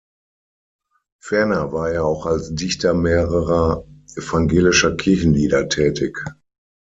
Ferner war er auch als Dichter mehrerer evangelischer Kirchenlieder tätig.